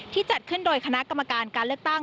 จัดขึ้นโดยคณะกรรมการการเลือกตั้ง